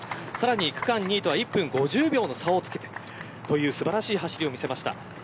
区間２位とは１分５０秒の差をつけたという素晴らしい走りを見せました。